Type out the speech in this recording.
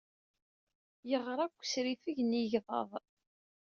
Yeɣra deg usriffeg n yegḍaḍ.